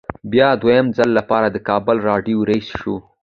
بیا د دویم ځل لپاره د کابل راډیو رییس شو.